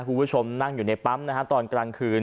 คุณผู้ชมนั่งอยู่ในปั๊มนะฮะตอนกลางคืน